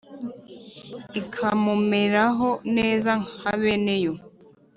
ikamumeraho neza nka beneyo?